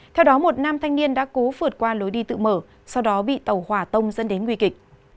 theo đó một nam thanh niên đã cú vượt qua lối đi tự mở sau đó bị tàu hỏa tông dẫn đến nguy kịch